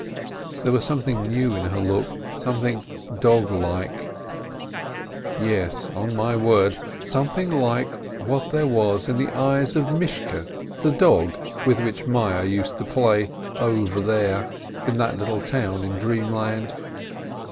There was something new in her look, something dog like ! Yes, on my word, something like what there was in the eyes of Mishke the dog with which Meyerl used to like playing "over there," in that little town in dreamland.